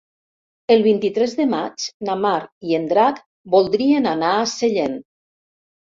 El vint-i-tres de maig na Mar i en Drac voldrien anar a Sellent.